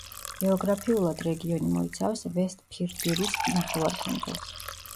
გეოგრაფიულად რეგიონი მოიცავს ვესტფირდირის ნახევარკუნძულს.